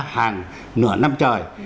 hàng nửa năm trời